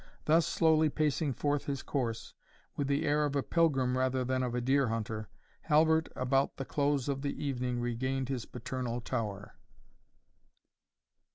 Thus slowly pacing forth his course, with the air of a pilgrim rather than of a deer hunter, Halbert about the close of the evening regained his paternal tower.